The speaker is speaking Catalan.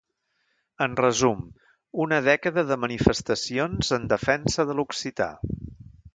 En resum, una dècada de manifestacions en defensa de l’occità.